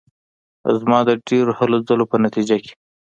زما د ډېرو هلو ځلو په نتیجه کې.